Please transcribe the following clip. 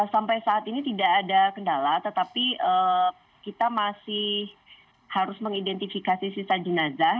sampai saat ini tidak ada kendala tetapi kita masih harus mengidentifikasi sisa jenazah